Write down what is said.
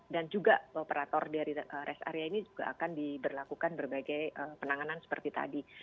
dan juga operator dari rest area ini juga akan diberlakukan berbagai penanganan seperti tadi